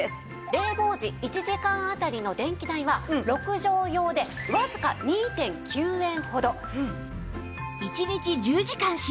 冷房時１時間当たりの電気代は６畳用でわずか２．９円ほど。